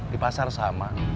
di pasar sama